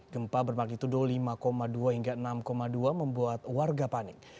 gempa bermagnitudo lima dua hingga enam dua membuat warga panik